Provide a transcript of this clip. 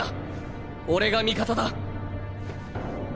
俺が味方だ。